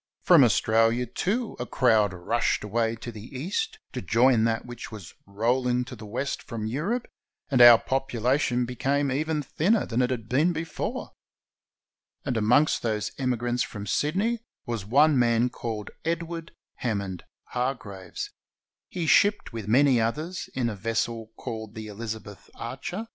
From Australia, too, a crowd rushed away to the east to join that which was rolling to the west from Eu rope, and our population became even thinner than it had been before. And amongst those emigrants from Sydney was one man called Edward Hammond Hargraves. He shipped with many others in a vessel called the Elizabeth Archer, 484 GOLD, GOLD, GOLD!